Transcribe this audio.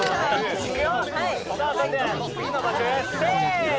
行くよ、さあ、それでは次の場所へ、せーの。